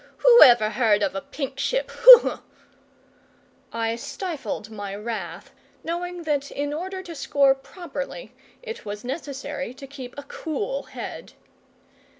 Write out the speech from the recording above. "Who ever heard of a pink ship? Hoo hoo!" I stifled my wrath, knowing that in order to score properly it was necessary to keep a cool head.